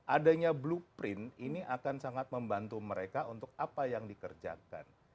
adanya blueprint ini akan sangat membantu mereka untuk apa yang dikerjakan